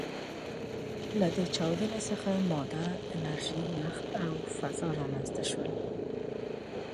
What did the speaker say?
له دې چاودنې څخه ماده، انرژي، وخت او فضا رامنځ ته شول.